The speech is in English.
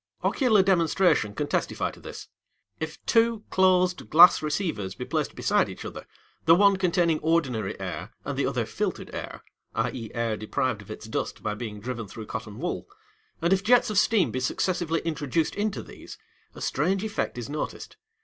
Ocular demonstration can testify to this. If two closed glass receivers be placed beside each other, the one containing ordinary air, and the other filtered air (i.e. air deprived of its dust by being driven through cotton wool), and if jets of steam be successively introduced into these, a strange effect is noticed.